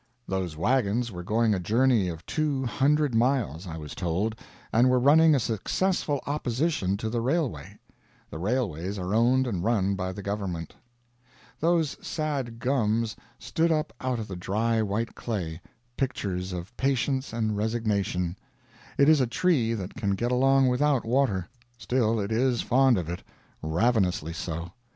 Those wagons were going a journey of two hundred miles, I was told, and were running a successful opposition to the railway! The railways are owned and run by the government. Those sad gums stood up out of the dry white clay, pictures of patience and resignation. It is a tree that can get along without water; still it is fond of it ravenously so.